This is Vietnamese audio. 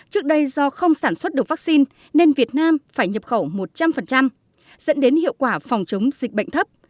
trước đây do không sản xuất được vaccine nên việt nam phải nhập khẩu một trăm linh dẫn đến hiệu quả phòng chống dịch bệnh thấp